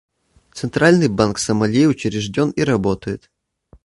Центральный банк Сомали учрежден и работает.